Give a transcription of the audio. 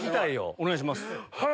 お願いします。